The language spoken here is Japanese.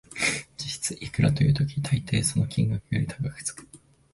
実質いくらという時、たいていその金額より高くつく